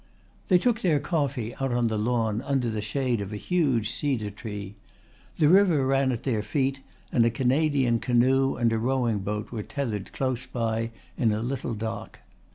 They took their coffee out on the lawn under the shade of a huge cedar tree. The river ran at their feet and a Canadian canoe and a rowing boat were tethered close by in a little dock.